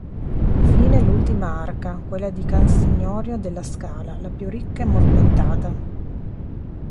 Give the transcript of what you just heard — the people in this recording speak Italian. Infine l'ultima arca, quella di Cansignorio della Scala, la più ricca e movimentata.